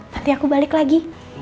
nanti aku balik lagi